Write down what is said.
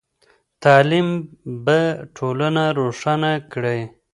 تعلیم به ټولنه روښانه کړئ.